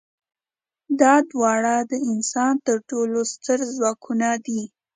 دا دواړه د انسان تر ټولو ستر ځواکونه دي.